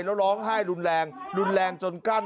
แล้วร้องไห้รุนแรงรุนแรงจนกั้น